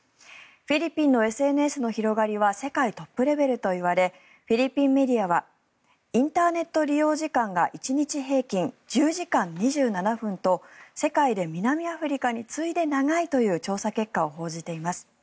フィリピンのＳＮＳの広がりは世界トップレベルといわれフィリピンメディアはインターネット利用時間が１日平均１０時間２７分と世界で南アフリカに次いで長いという調査結果を報じています。